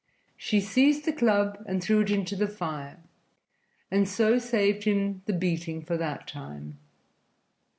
She seized the club and threw it into the fire, and so saved him the beating for that time.